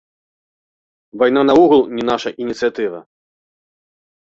Вайна наогул не наша ініцыятыва.